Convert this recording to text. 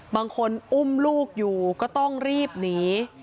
บางคนอุ้มลูกอยู่ก็ต้องรีบหนี